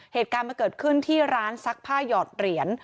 เหตุการณ์มันเกิดขึ้นที่ร้านซักผ้าหยอดเหรียญ